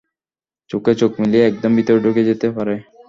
চোখে চোখ মিলিয়ে একদম ভিতরে ঢুকে যেতে পারে।